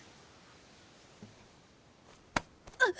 あっ。